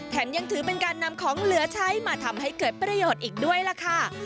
ยังถือเป็นการนำของเหลือใช้มาทำให้เกิดประโยชน์อีกด้วยล่ะค่ะ